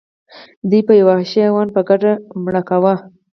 دوی به یو وحشي حیوان په ګډه مړه کاوه.